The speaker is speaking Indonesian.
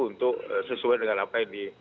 untuk sesuai dengan apa yang di